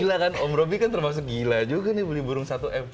gila kan om robby termasuk gila juga nih beli burung satu miliar rupiah